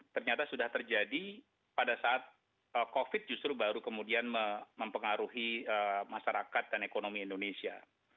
ternyata sudah terjadi pada saat covid justru baru kemudian mempengaruhi masyarakat dan ekonomi indonesia